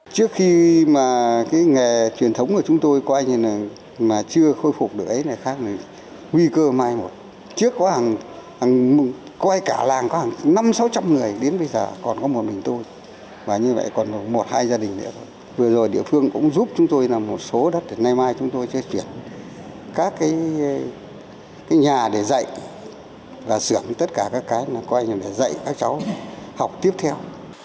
tuy đã có hàng có ai cả làng có hàng năm sáu trăm người đến bây giờ còn có một mình tôi và như vậy còn một hai gia đình nữa vừa rồi địa phương cũng giúp chúng tôi làm một số đất đến nay mai chúng tôi sẽ chuyển các cái nhà để dạy và sửa tất cả các cái có ai để dạy các cháu học tiếp theo